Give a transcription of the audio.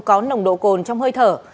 có nồng độ cồn trong hơi thở